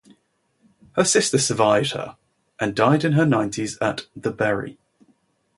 Her sister survived her and died in her nineties at "The Bury".